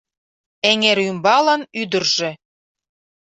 Эҥерӱмбалын ӱдыржӧ